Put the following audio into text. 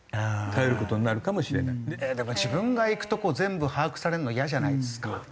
でも自分が行くとこ全部把握されるのイヤじゃないですか？